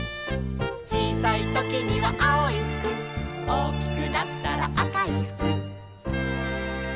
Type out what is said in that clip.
「ちいさいときにはあおいふく」「おおきくなったらあかいふく」